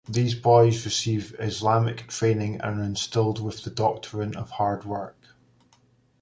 These boys receive Islamic training and are instilled with the doctrine of hard work.